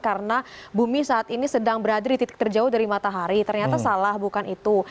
karena bumi saat ini sedang berada di titik terjauh dari matahari ternyata salah bukan itu